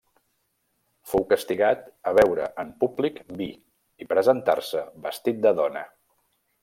Fou castigat a beure en públic vi i presentar-se vestit de dona.